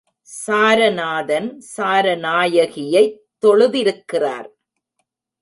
Saranathan சாரநாயகியைத் தொழுதிருக்கிறார்.